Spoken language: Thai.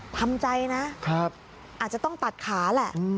ทำใจนะอาจจะต้องตัดขาแหละ